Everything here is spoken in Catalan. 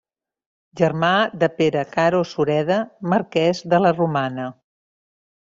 Germà de Pere Caro Sureda, marquès de la Romana.